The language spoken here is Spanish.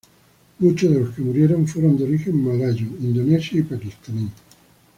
Muchos de los que murieron fueron de origen malayo, indonesio y paquistaní.